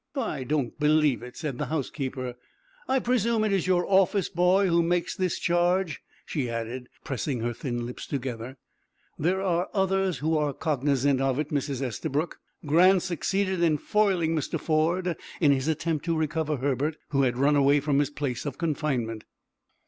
"I don't believe it," said the housekeeper. "I presume it is your office boy who makes this charge?" she added, pressing her thin lips together. "There are others who are cognizant of it, Mrs. Estabrook. Grant succeeded in foiling Mr. Ford in his attempt to recover Herbert, who had run away from his place of confinement."